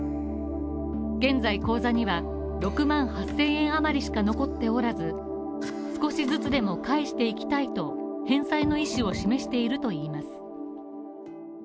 現在口座には６万８０００円余りしか残っておらず、少しずつでも返していきたいと、返済の意思を示しているといいます。